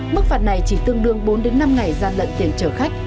mức phạt này chỉ tương đương bốn năm ngày gian lận tiền trở khách